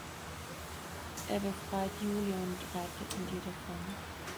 Er befreit Julie und reitet mit ihr davon.